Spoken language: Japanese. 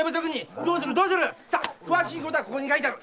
詳しいことはここに書いてある。